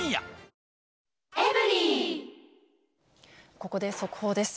ここで速報です。